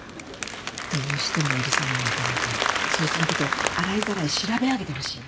どうしても許せない相手がいてそいつのことを洗いざらい調べ上げてほしいの。